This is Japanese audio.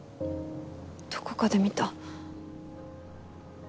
どこかで見た。